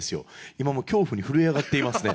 今もう恐怖に震え上がっていますね。